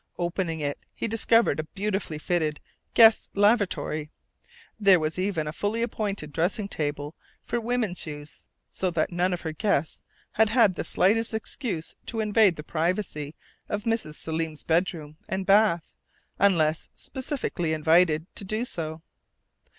Opening it, he discovered a beautifully fitted guests' lavatory. There was even a fully appointed dressing table for women's use, so that none of her guests had had the slightest excuse to invade the privacy of Mrs. Selim's bedroom and bath, unless specifically invited to do so.